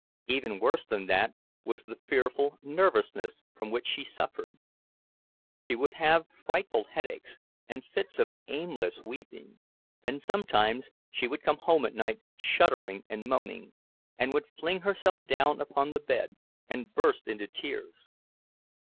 Even worse than that was the fearful nervousness from which she suffered; she would have frightful headaches and fits of aimless weeping; and sometimes she would come home at night shuddering and moaning, and would fling herself down upon the bed and burst into tears.